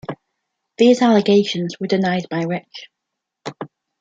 These allegations were denied by Rich.